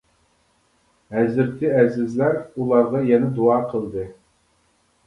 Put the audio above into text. ھەزرىتى ئەزىزلەر ئۇلارغا يەنە دۇئا قىلدى.